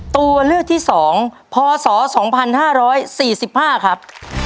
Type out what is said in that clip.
ตัวเลือกที่สองพศสองพันห้าร้อยสี่สิบห้าครับ